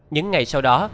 những ngày sau đó